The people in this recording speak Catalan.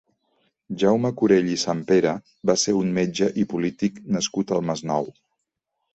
Jaume Curell i Sampera va ser un metge i polític nascut al Masnou.